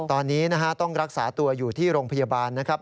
ตอนนี้ต้องรักษาตัวอยู่ที่โรงพยาบาลนะครับ